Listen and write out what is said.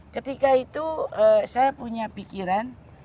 ketika itu saya punya pikiran